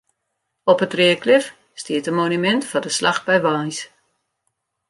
Op it Reaklif stiet in monumint foar de slach by Warns.